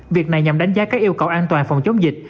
việc này nhằm đánh giá các yêu cầu an toàn phòng chống dịch